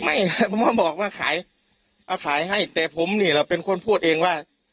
ไม่ผมก็บอกว่าขายเอาขายให้แต่ผมนี่แหละเป็นคนพูดเองว่า